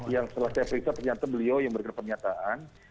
yang setelah saya periksa pernyataan beliau yang berkata pernyataan